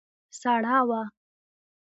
سړه وه.